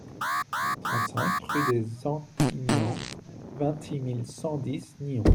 trente-cinq rue des Antignans, vingt-six mille cent dix Nyons